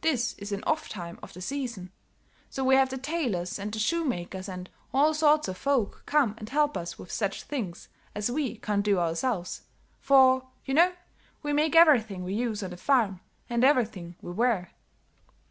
This is an off time of the season; so we have the tailors and the shoemakers and all sorts of folk come and help us with such things as we can't do ourselves, for, you know, we make everything we use on the farm, and everything we wear."